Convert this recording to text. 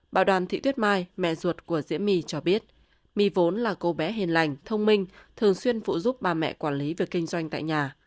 bà đoàn thị tuyết mai mẹ ruột của diễm my cho biết my vốn là cô bé hiền lành thông minh thường xuyên phụ giúp bà mẹ quản lý việc kinh doanh tại nhà